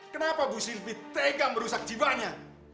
kenapa bu sylvi tega merusak jiwanya